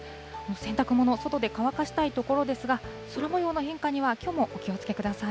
洗濯物、外で乾かしたいところですが、空もようの変化にはきょうもお気をつけください。